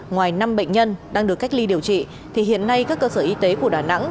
ngoài năm bệnh nhân đang được cách ly điều trị thì hiện nay các cơ sở y tế của đà nẵng